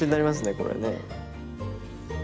これね。